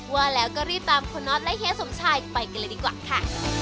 ว่าแล้วก็รีบตามคุณน็อตและเฮียสมชายไปกันเลยดีกว่าค่ะ